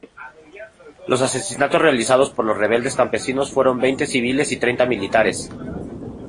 Los asesinatos realizados por los rebeldes campesinos fueron veinte civiles y treinta militares.